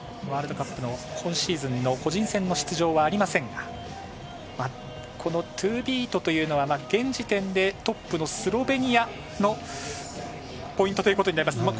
ワールドカップの今シーズンの個人戦の出場はありませんがこのトゥービートというのは現時点でトップのスロベニアのポイントということになります。